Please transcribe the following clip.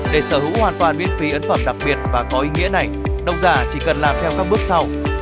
để sở hữu hoàn toàn miễn phí ấn phẩm đặc biệt và có ý nghĩa này độc giả chỉ cần làm theo các bước sau